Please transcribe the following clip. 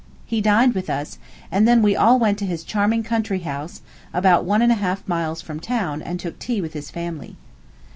He dined with us; and then we all went to his charming country house, about one and a half miles from town, and took tea with his family.